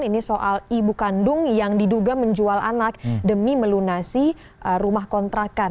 ini soal ibu kandung yang diduga menjual anak demi melunasi rumah kontrakan